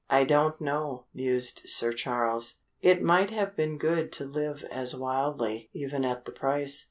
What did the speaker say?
"I don't know," mused Sir Charles. "It might have been good to live as wildly even at the price.